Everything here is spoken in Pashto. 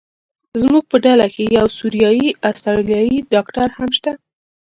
زموږ په ډله کې یو سوریایي استرالیایي ډاکټر هم شته.